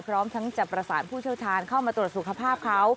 พร้อมทั้งจะประสานผู้เชี่ยวชาญเข้ามาตรวจสุขภาพเขา